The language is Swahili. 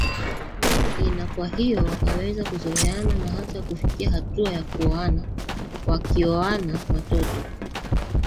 nyingi na kwa hiyo wakaweza kuzoeana na hata kufikia hatua ya kuoana Wakioana watoto